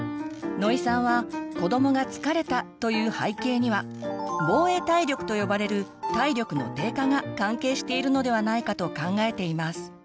野井さんは子どもが「疲れた」と言う背景には「防衛体力」と呼ばれる体力の低下が関係しているのではないかと考えています。